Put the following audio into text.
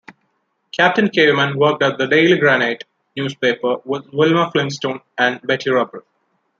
Captain Caveman worked at "The Daily Granite" newspaper with Wilma Flintstone and Betty Rubble.